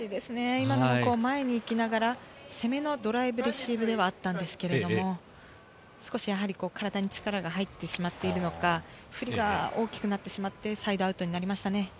今の前に行きながら、攻めのドライブレシーブではあったんですけど少し体に力が入ってしまっているのか、振りが大きくなってしまってサイドアウトになりましたね。